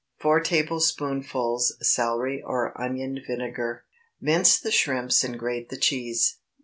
4 tablespoonfuls celery or onion vinegar. Mince the shrimps and grate the cheese.